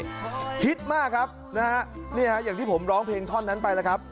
ฮีตมากครับนะอย่างที่ผมร้องเพลงท่อนั้นไปละครับ